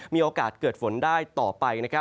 มีโอกาสเกิดฝนได้ต่อไป